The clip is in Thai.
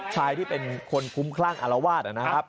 ชายที่เป็นคนคุ้มคลั่งอารวาสนะครับ